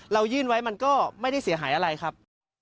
ยื่นไว้มันก็ไม่ได้เสียหายอะไรครับ